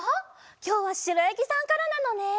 きょうはしろやぎさんからなのね！